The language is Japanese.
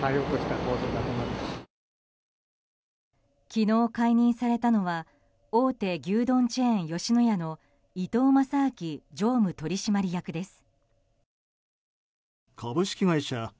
昨日、解任されたのは大手牛丼チェーン吉野家の伊東正明常務取締役です。